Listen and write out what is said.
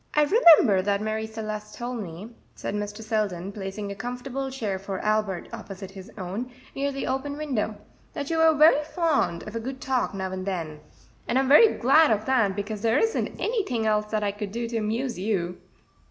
"I remember that Marie Celeste told me," said Mr. Selden, placing a comfortable chair for Albert opposite his own, near the open window, "that you were very fond of a good talk now and then; and I'm very glad of that, because there isn't anything else that I could do to amuse you."